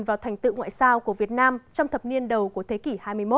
vào thành tựu ngoại sao của việt nam trong thập niên đầu của thế kỷ hai mươi một